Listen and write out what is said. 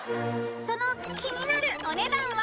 ［その気になるお値段は］